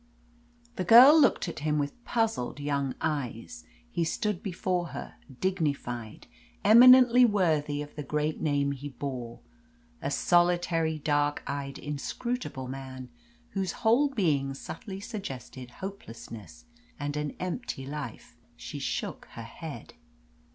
The girl looked at him with puzzled young eyes. He stood before her, dignified, eminently worthy of the great name he bore a solitary, dark eyed, inscrutable man, whose whole being subtly suggested hopelessness and an empty life. She shook her head.